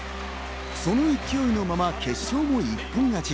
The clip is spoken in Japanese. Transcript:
その勢いのまま決勝も一本勝ち。